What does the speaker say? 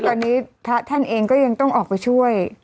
เพราะว่าตอนนี้ท่านเองก็ยังต้องออกไปช่วย